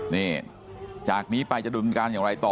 นี่จากนี้ไปจะดุนการอย่างไรต่อ